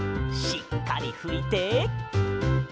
しっかりふいて。